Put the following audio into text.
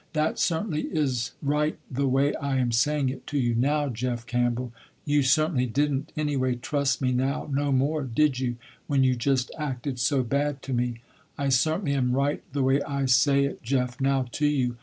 That certainly is right the way I am saying it to you now, Jeff Campbell. You certainly didn't anyway trust me now no more, did you, when you just acted so bad to me. I certainly am right the way I say it Jeff now to you.